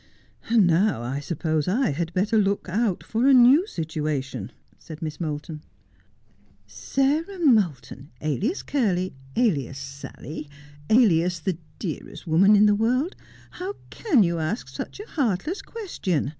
' And now I suppose I had better look out for a new situa tion,' said Miss Moulton. ' Sarah Moulton, alias Curly, alias Sally, alias the dearest woman in the world, how can you ask such a heartless question?'